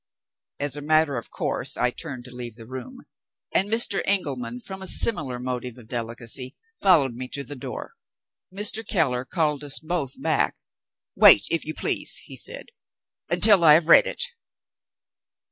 As a matter of course, I turned to leave the room, and Mr. Engelman (from a similar motive of delicacy) followed me to the door. Mr. Keller called us both back. "Wait, if you please," he said, "until I have read it."